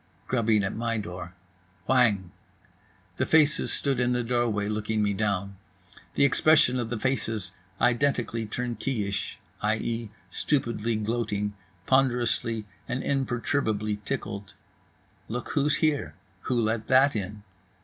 Grubbing at my door. Whang! The faces stood in the doorway, looking me down. The expression of the faces identically turnkeyish, i.e., stupidly gloating, ponderously and imperturbably tickled. Look who's here, who let that in?